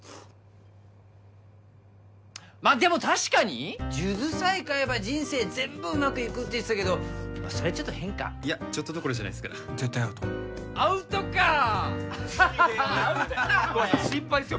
まっでも確かに数珠さえ買えば人生全部うまくいくって言ってたけどそれはちょっと変かちょっとどころじゃないっすから絶対アウトアウトかコバトさん心配っすよ